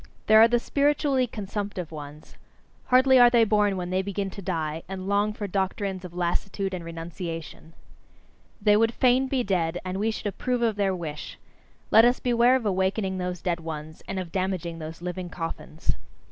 There are the spiritually consumptive ones: hardly are they born when they begin to die, and long for doctrines of lassitude and renunciation. They would fain be dead, and we should approve of their wish! Let us beware of awakening those dead ones, and of damaging those living coffins!